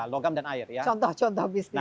logam dan air contoh contoh bisnisnya